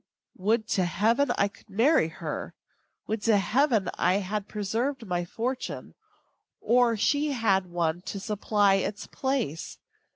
Would to Heaven I could marry her! Would to Heaven I had preserved my fortune, or she had one to supply its place!